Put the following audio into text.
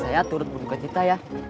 saya turut berduka cita ya